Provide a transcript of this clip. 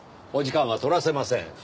お時間は取らせません。